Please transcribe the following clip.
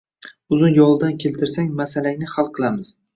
Uzun yolidan keltirsang, masalangni hal qilamiz.